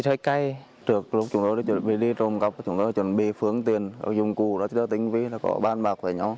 trước lúc chúng tôi đã chuẩn bị đi trộm cắp chúng tôi đã chuẩn bị phướng tiền dùng cụ tính viên có ban bạc với nhau